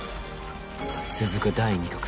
続く第２局。